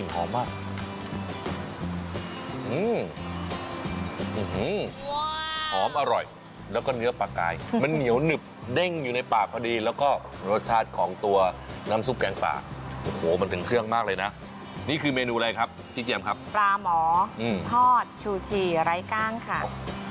หอมมากหอมอร่อยแล้วก็เนื้อปลากายมันเหนียวหนึบเด้งอยู่ในปากพอดีแล้วก็รสชาติของตัวน้ำซุปแกงป่าโอ้โหมันถึงเครื่องมากเลยนะนี่คือเมนูอะไรครับพี่เจียมครับปลาหมอทอดชูฉี่ไร้กล้างค่ะ